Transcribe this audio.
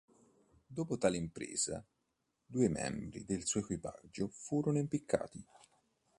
Dopo tale impresa, due membri del suo equipaggio furono impiccati.